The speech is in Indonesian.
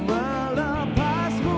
tak ingin lukai hatimu